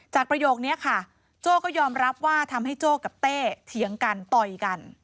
ประโยคนี้ค่ะโจ้ก็ยอมรับว่าทำให้โจ้กับเต้เถียงกันต่อยกัน